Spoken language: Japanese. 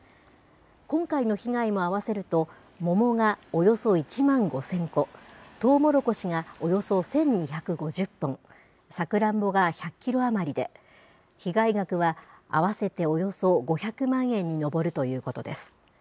今回の被害も合わせると、桃がおよそ１万５０００個、とうもろこしがおよそ１２５０本、さくらんぼが１００キロ余りで、被害額は合わせておよそ５００万円に上るということです。